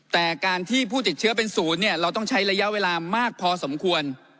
แต่การที่ผู้ติดเชื้อเป็นศูนย์เนี่ยเราต้องใช้ระยะเวลามากพอสมควร